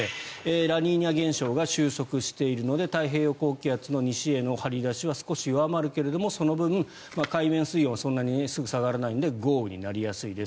ラニーニャ現象が終息しているので太平洋高気圧の西への張り出しは少し弱まるけどもその分、海面水温はそんなにすぐ下がらないので豪雨になりやすいです